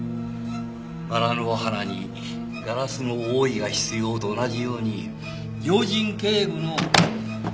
バラの花にガラスの覆いが必要なのと同じように要人警護の。